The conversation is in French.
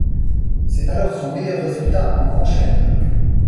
C'est alors son meilleur résultat en Grand Chelem.